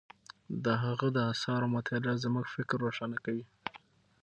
د هغه د آثارو مطالعه زموږ فکر روښانه کوي.